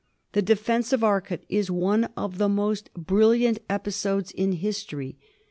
The defence of Arcot is one of the most brilliant episodes in history.